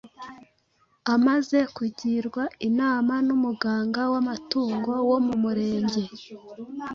Amaze kugirwa inama n’umuganga w’amatungo wo mu Murenge,